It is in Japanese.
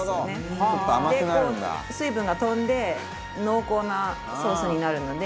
こう水分が飛んで濃厚なソースになるので。